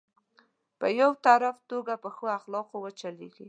په يو طرفه توګه په ښو اخلاقو وچلېږي.